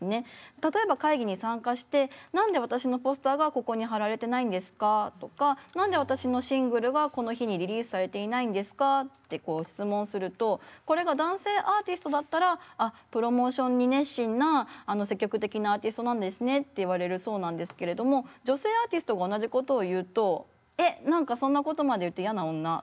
例えば会議に参加して何で私のポスターがここに貼られてないんですかとか何で私のシングルがこの日にリリースされていないんですかってこう質問するとこれが男性アーティストだったらあっプロモーションに熱心な積極的なアーティストなんですねって言われるそうなんですけれども女性アーティストが同じことを言うとえっ何かそんなことまで言って嫌な女というふうに言われることが。